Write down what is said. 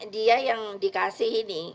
dia yang dikasih ini